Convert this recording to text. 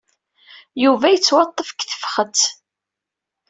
Yuba yettwaṭṭef deg tefxet.